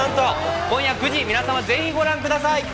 今夜９時、皆さま、ぜひご覧ください。